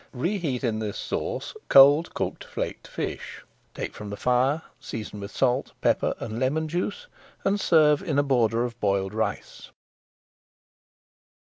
Reheat in this sauce cold cooked flaked fish; take from the fire, season with salt, pepper, and lemon juice, and serve in a border of boiled rice.